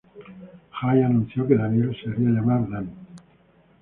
Jay anunció que Danielle se haría llamar Dani.